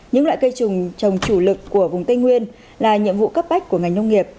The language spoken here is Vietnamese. những loại cây trồng trồng chủ lực của vùng tây nguyên là nhiệm vụ cấp bách của ngành nông nghiệp